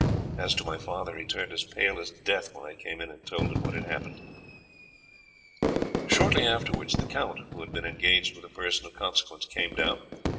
As to my father, he turned as pale as death when I came in and told him what had happened." Shortly afterwards the count, who had been engaged with a person of consequence, came down.